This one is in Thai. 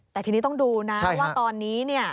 แต่ทีนี้ต้องดูนะเขาว่าตอนนี้